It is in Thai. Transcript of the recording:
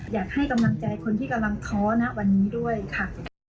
อยากให้กำลังใจคนที่กำลังท้อนะวันนี้ด้วยค่ะ